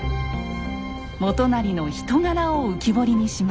元就の人柄を浮き彫りにします。